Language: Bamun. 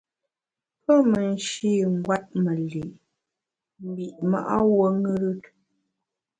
Pe me nshî ngwet me li’ mbi’ ma’ wuo ṅùrùt.